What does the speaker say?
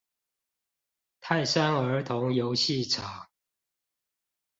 泰山兒童遊戲場